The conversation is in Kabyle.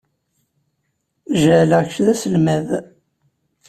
Jeɛleɣ kečč d aselmad.